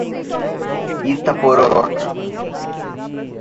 Itapororoca